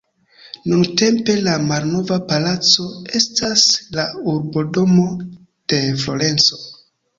Nuntempe la "Malnova Palaco" estas la urbodomo de Florenco.